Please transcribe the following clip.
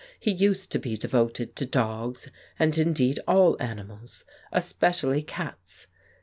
He used to be devoted to dogs and, indeed, all animals, especially cats.